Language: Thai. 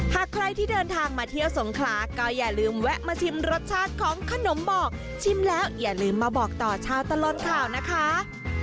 หากใครที่เดินทางมาเที่ยวสงขลาก็อย่าลืมแวะมาชิมรสชาติของขนมบอกชิมแล้วอย่าลืมมาบอกต่อชาวตลอดข่าวนะคะ